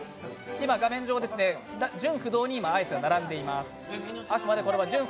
今、画面上、順不同にアイスが並んでいます。